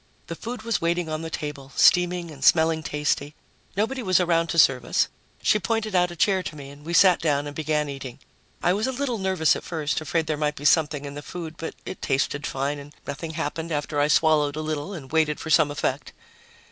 The food was waiting on the table, steaming and smelling tasty. Nobody was around to serve us. She pointed out a chair to me and we sat down and began eating. I was a little nervous at first, afraid there might be something in the food, but it tasted fine and nothing happened after I swallowed a little and waited for some effect.